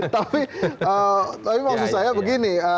tapi maksud saya begini